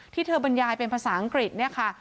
ที่เธอบรรยายเป็นภาษาอังกฤษเนี่ยค่ะ